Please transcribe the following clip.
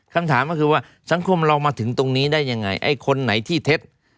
คำถามก็คือว่าสังคมเรามาถึงตรงนี้ได้ยังไงไอ้คนไหนที่เท็จ